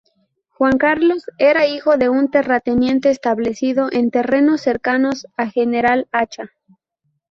Juan Carlos era hijo de un terrateniente establecido en terrenos cercanos a General Acha.